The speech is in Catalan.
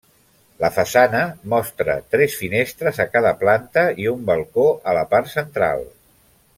La façana mostra tres finestres a cada planta i un balcó a la part central.